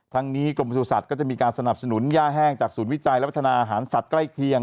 ทั้งนี้กรมประสุทธิ์ก็จะมีการสนับสนุนย่าแห้งจากศูนย์วิจัยและพัฒนาอาหารสัตว์ใกล้เคียง